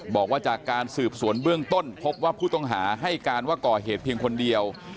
บอกว่าจากการสืบสวนเบื้องต้นพบว่าผู้ต้องหาให้การว่าก่อเหตุเพียงคนเดียว